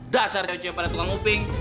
dasar cewe pada tukang kuping